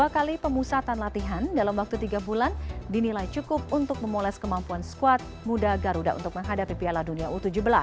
dua kali pemusatan latihan dalam waktu tiga bulan dinilai cukup untuk memoles kemampuan squad muda garuda untuk menghadapi piala dunia u tujuh belas